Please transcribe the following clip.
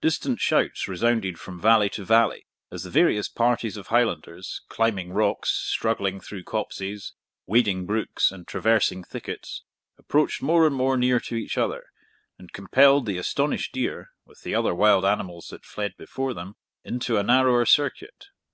Distant shouts resounded from valley to valley, as the various parties of Highlanders, climbing rocks, struggling through copses, wading brooks, and traversing thickets, approached more and more near to each other, and compelled the astonished deer, with the other wild animals that fled before them, into a narrower circuit.